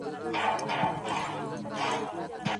د ژوند کچه باید د غریبو لپاره ښه سي.